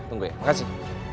tunggu ya makasih